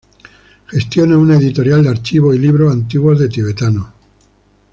Gestiona una editorial de archivos y libros antiguos en tibetano.